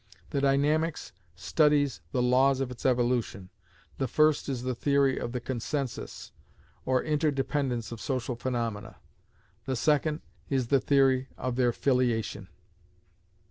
The dynamics studies the laws of its evolution. The first is the theory of the consensus, or interdependence of social phaenomena. The second is the theory of their filiation.